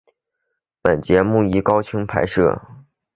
本节目以高清拍摄。